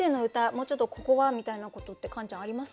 もうちょっと「ここは」みたいなことってカンちゃんあります？